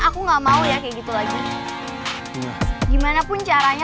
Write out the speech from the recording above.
itu kamu butuh kopi aja lo belagu dong